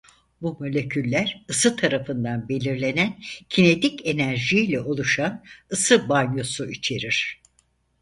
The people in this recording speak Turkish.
Bu moleküller ısı tarafından belirlenen kinetik enerjiyle oluşan ısı banyosu içerir.